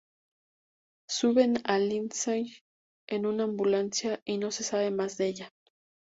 Suben a Lindsey en una ambulancia y no se sabe más de ella.